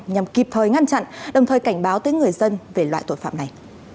nhằm kịp thời ngăn chặn đồng thời cảnh báo tới người dân về loại tội phạm này